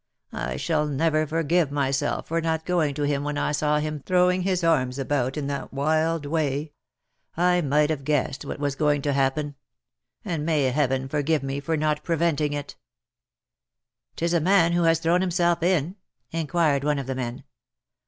I shall never forgive myself for not going to him when I saw him throwing his arms about in that wild way. I might have guessed what was going to happen — and may Heaven forgive me for not pre venting it I" " Tis a man who has thrown himself in V inquired one of the men.